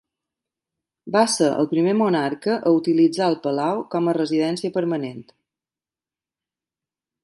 Va ser el primer monarca a utilitzar el palau com a residència permanent.